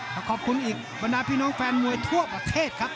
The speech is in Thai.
ขอบคุณอีกบรรดาพี่น้องแฟนมวยทั่วประเทศครับ